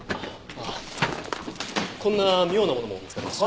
こんな妙なものも見つかりました。